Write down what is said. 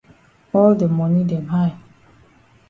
All de moni dem high.